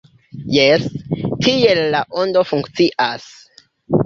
Jes, tiel La Ondo funkcias.